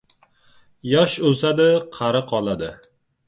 • Yosh o‘sadi, qari qoladi.